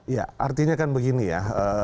ya artinya kan begini ya